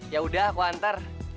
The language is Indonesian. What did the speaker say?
ya udah aku antar